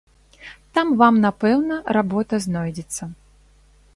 Там вам, напэўна, работа знойдзецца.